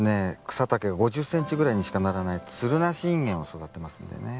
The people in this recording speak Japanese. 草丈が５０ｃｍぐらいにしかならないつるなしインゲンを育てますんでね。